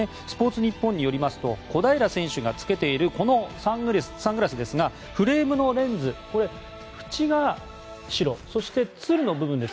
スポーツニッポンによりますと小平選手がつけているこのサングラスですがフレームのレンズ縁が白、そしてつるの部分